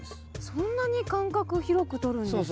そんなに間隔広くとるんですか？